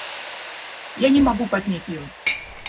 Я не могу поднять ее...